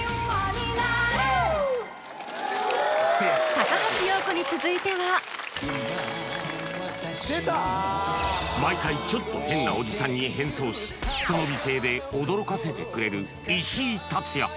高橋洋子に毎回ちょっと変なおじさんに変装しその美声で驚かせてくれる石井竜也